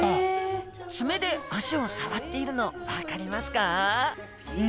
爪で脚を触っているの分かりますか？